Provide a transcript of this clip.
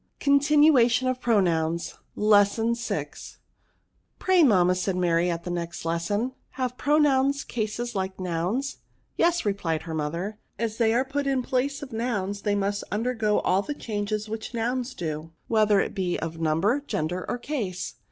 CONTINUATION OF PRONOUNS. Lesson VI. " Pray, mamma," said Mary, at the next lesson, " have pronouns cases like nouns ?"" Yes," replied her mother, " as they are put in the place of noims, they must undergo all the changes which nouns do, whether it be of number, gender, or case.